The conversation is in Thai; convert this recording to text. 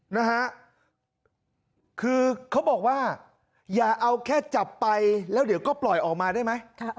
นะฮะคือเขาบอกว่าอย่าเอาแค่จับไปแล้วเดี๋ยวก็ปล่อยออกมาได้ไหม